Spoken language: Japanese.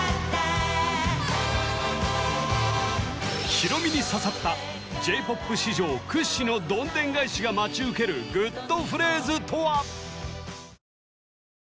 ヒロミに刺さったＪ−ＰＯＰ史上屈指のどんでん返しが待ち受けるグッとフレーズとは？